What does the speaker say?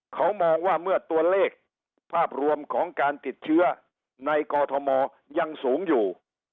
เขามองว่าเมื่อตัวเลขภาพรวมของการติดเชื้อในกอทมยังสูงอยู่